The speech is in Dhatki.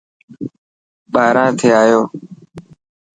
ٻاهران ٿي آيو.